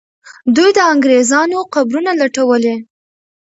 دوی د انګریزانو قبرونه لټولې.